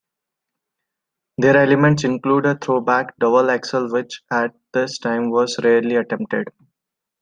Their elements included a throw double axel which at this time was rarely attempted.